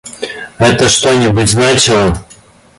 Это что-нибудь значило.